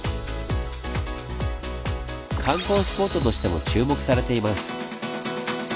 観光スポットとしても注目されています。